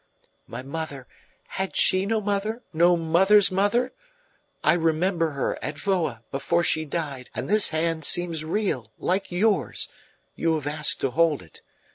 My mother, had she no mother, no mother's mother? I remember her, at Voa, before she died, and this hand seems real like yours; you have asked to hold it.